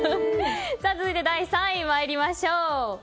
続いて、第３位参りましょう。